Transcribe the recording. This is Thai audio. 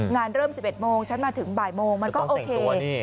งานเริ่ม๑๑โมงฉันมาถึงบ่ายโมงมันก็โอเค